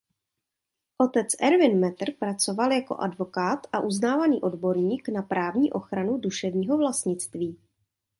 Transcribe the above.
Otec Erwin Matter pracoval jako advokát a uznávaný odborník na právní ochranu duševního vlastnictví.